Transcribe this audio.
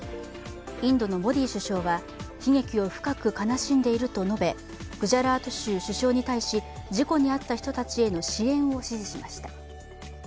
インドのモディ首相は悲劇を深く悲しんでいると述べグジャラート州首相に対し事故に遭った人たちへの支援を指示しました。